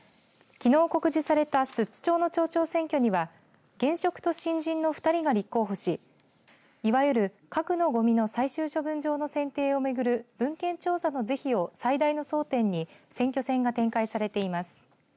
きのう告示された寿都町の町長選挙には現職と新人の２人が立候補しいわゆる核のごみの最終処分場の選定をめぐる文献調査の是非を最大の争点に選挙戦が展開されています。